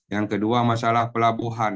yang kedua masalah pelabuhan